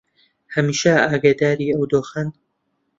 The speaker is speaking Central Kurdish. هەمیشە ئاگاداری ئەو دۆخەن